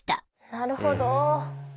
なるほど。